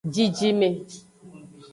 Jijime.